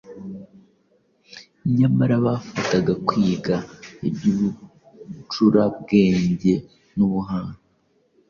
nyamara bafataga kwiga iby’ubucurabwenge n’ubuhanga